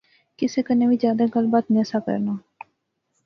کسے کنے وی جادے گل بات نہسا کرنا